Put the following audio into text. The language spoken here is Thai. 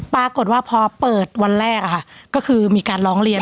ปรากฏว่าพอเปิดวันแรกก็คือมีการร้องเรียน